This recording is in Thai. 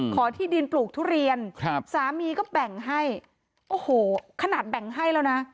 ที่ดินปลูกทุเรียนครับสามีก็แบ่งให้โอ้โหขนาดแบ่งให้แล้วนะ